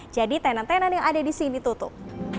jadi tenan tenan yang ada di sini tutup